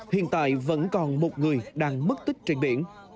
hiện tại vẫn còn một người đang mất tích trên biển